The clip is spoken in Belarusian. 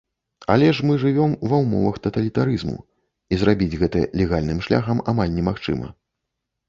Але ж мы жывём ва ўмовах таталітарызму і зрабіць гэта легальным шляхам амаль немагчыма.